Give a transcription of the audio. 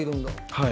はい。